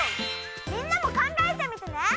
みんなも考えてみてね！